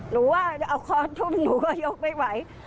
หนูว่าเอาคอทุบหนูก็ยกไม่ไหว